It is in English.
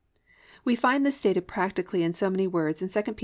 We find this stated practically in so many words in 2 Pet.